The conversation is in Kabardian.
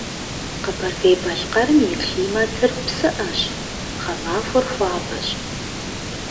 Къэбэрдей-Балъкъэрым и климатыр псыӏэщ, гъэмахуэр хуабэщ.